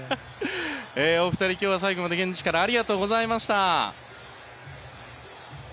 お二人、今日は最後まで現地からありがとうございました。